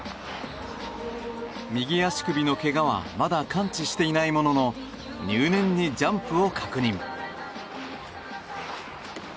右足首のけがはまだ完治していないものの入念にジャンプを確認。